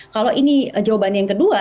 kalau ini jawaban yang kedua